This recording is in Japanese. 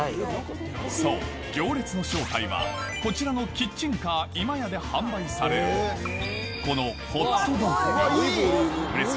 そう、行列の正体は、こちらのキッチンカー今屋で販売されるこのホットドッグです。